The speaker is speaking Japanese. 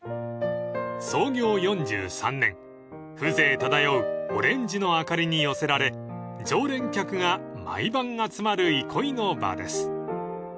［創業４３年風情漂うオレンジの灯りに寄せられ常連客が毎晩集まる憩いの場です］